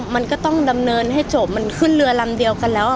มันก็ต้องดำเนินให้จบมันขึ้นเรือลำเดียวกันแล้ว